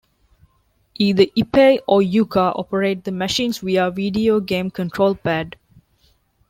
Either Ippei or Yuka operate the machines via videogame control pad.